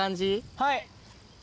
はい。